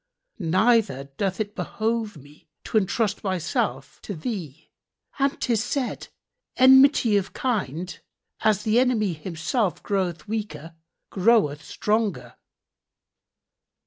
Neither doth it behove me to entrust myself to thee; and 'tis said, 'Enmity of kind, as the enemy himself groweth weaker groweth stronger.'